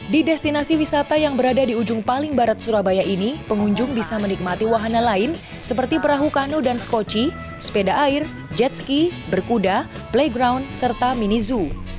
di destinasi wisata yang berada di ujung paling barat surabaya ini pengunjung bisa menikmati wahana lain seperti perahu kanu dan skoci sepeda air jet ski berkuda playground serta mini zoo